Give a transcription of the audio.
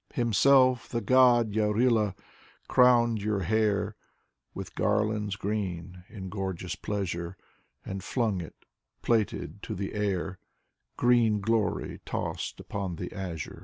Himself, the god Yarila ^ crowned your hair With garlands green in gorgeous pleasure, And flung it, plaited, to the air: Green glory tossed upon the azure.